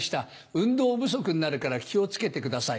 運動不足になるから気を付けてください。